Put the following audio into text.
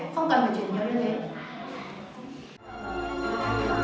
không cần phải chuyển nhiều như thế